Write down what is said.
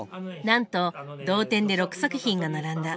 なんと同点で６作品が並んだ。